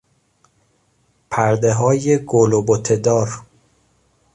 پردههای گل و بتهدار